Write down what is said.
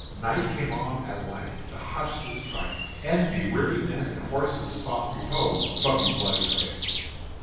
Night came on at length to hush the strife, and the weary men and horses sought repose from the bloody fray.